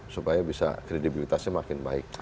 supaya bisa kredibilitasnya makin baik